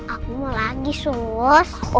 aku mau lagi sus